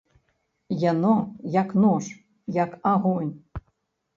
Яно, як нож, як агонь!